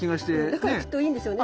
だからきっといいんでしょうね。